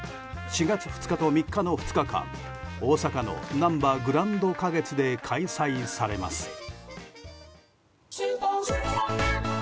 ４月２日と３日の２日間大阪のなんばグランド花月で開催されます。